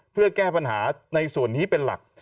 เพื่อแก้ปัญหาในส่วนนี้เป็นหลัก